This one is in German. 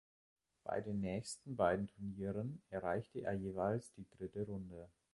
Bei den nächsten beiden Turnieren erreichte er jeweils die dritte Runde.